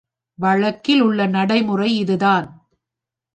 வழக்கில் உள்ள நடைமுறை இதுதான்